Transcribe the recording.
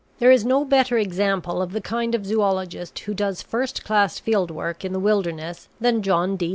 There is no better example of the kind of zoologist who does first class field work in the wilderness than John D.